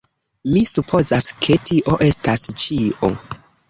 Mi supozas ke... tio estas ĉio!